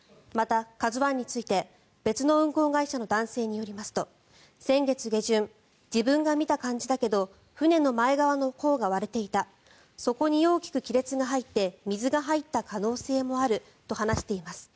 また「ＫＡＺＵ１」について別の運航会社の男性によりますと先月下旬自分が見た感じだけれど船の前側のほうが割れていたそこに大きく亀裂が入って水が入った可能性もあると話しています。